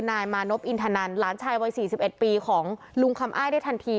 นายมานบอินทะนันต์หลานชายรอยสี่สิบเอ็ดปีของลุงคำอ้ายได้ทันที